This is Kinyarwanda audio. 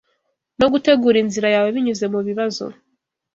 no gutegura inzira yawe Binyuze mubibazo